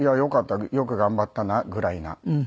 「よく頑張ったな」ぐらいな感じで。